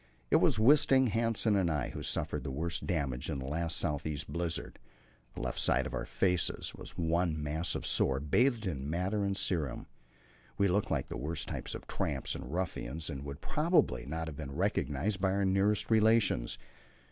It was Wisting, Hanssen, and I who had suffered the worst damage in the last south east blizzard; the left side of our faces was one mass of sore, bathed in matter and serum. We looked like the worst type of tramps and ruffians, and would probably not have been recognized by our nearest relations.